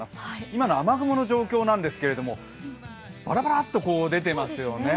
今の雨雲の状況なんですけれども、バラバラと出ていますよね。